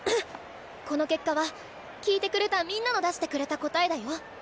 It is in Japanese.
この結果は聴いてくれたみんなの出してくれた答えだよ。